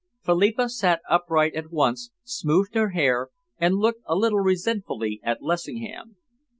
Philippa sat upright at once, smoothed her hair and looked a little resentfully at Lessingham.